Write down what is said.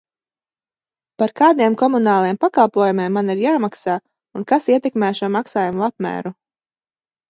Par kādiem komunāliem pakalpojumiem man ir jāmaksā un kas ietekmē šo maksājumu apmēru?